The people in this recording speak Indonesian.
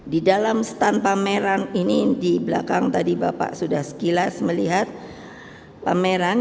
di dalam stand pameran ini di belakang tadi bapak sudah sekilas melihat pameran